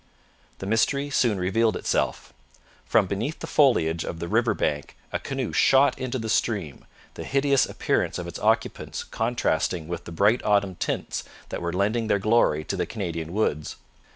The mystery soon revealed itself. From beneath the foliage of the river bank a canoe shot into the stream, the hideous appearance of its occupants contrasting with the bright autumn tints that were lending their glory to the Canadian woods.